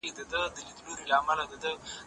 زه اجازه لرم چې کتاب واخلم!.